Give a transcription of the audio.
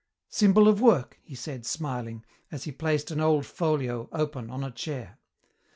"Symbol of work," he said, smiling, as he placed an old folio, open, on a chair.